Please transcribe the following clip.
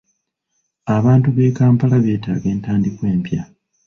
Abantu b'e Kampala beetaaga entandikwa empya.